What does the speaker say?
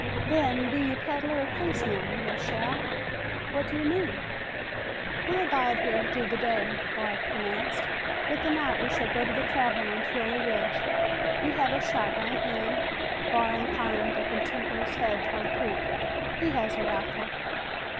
"Then, be ye peddler or policeman, you shall." "What do you mean?" "We'll bide here through the day," Barr pronounced. "With the night we shall go to a cabin on Trilley Ridge. You have a shotgun an'," Barr inclined a contemptuous head toward Pete, "he has a rifle.